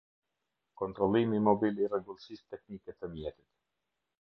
Kontrollimi mobil i rregullsisë teknike të mjetit.